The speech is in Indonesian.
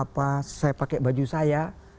saya pakai baju saya